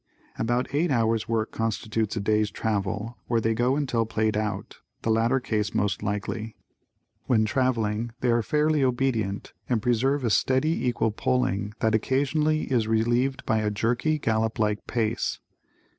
About eight hours' work constitutes a day's travel or they go until played out, the latter case most likely. When traveling they are fairly obedient and preserve a steady equal pulling that occasionally is relieved by a jerky, gallop like pace.